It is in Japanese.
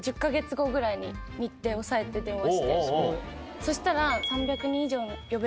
そしたら。